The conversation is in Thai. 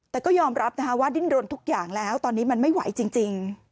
แต่ก็ยอมรับนะคะว่าดิ้นรนทุกอย่างแล้วตอนนี้มันไม่ไหวจริง